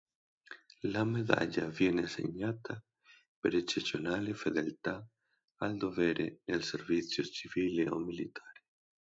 La medaglia viene assegnata per eccezionale fedeltà al dovere nel servizio civile o militare.